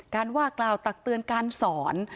การวากราวตักเตือนการสอน